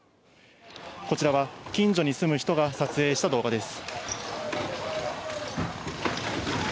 こちらは、近所に住む人が撮影した動画です。